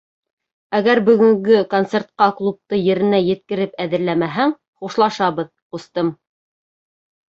Әгәр бөгөнгө концертҡа клубты еренә еткереп әҙерләмәһәң, хушлашабыҙ, ҡустым!